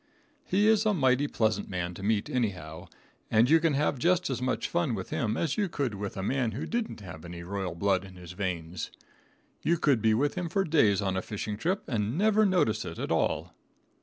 He is a mighty pleasant man to meet, anyhow, and you can have just as much fun with him as you could with a man who didn't have any royal blood in his veins. You could be with him for days on a fishing trip and never notice it at all.